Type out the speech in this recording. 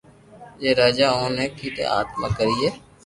جي راجا اوني ڪآتو آتما ڪرتي